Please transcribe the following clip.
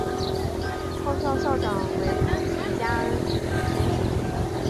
创校校长为陈加恩先生。